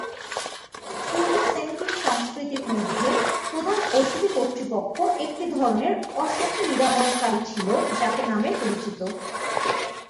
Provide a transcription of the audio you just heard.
পূর্ব Semitic সংস্কৃতির মধ্যে, প্রধান ঔষধি কর্তৃপক্ষ একটি ধরনের অসুখী-নিরাময়কারী ছিল যাকে নামে পরিচিত।